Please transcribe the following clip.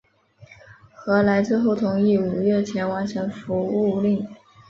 何来最后同意五月前完成服务令。